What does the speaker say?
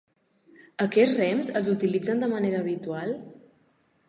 Aquests rems els utilitzen de manera habitual?